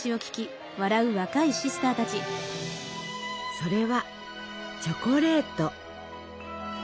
それはチョコレート。